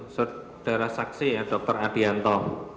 saudara saksi ya dr adianto